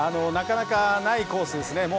なかなかないコースですね。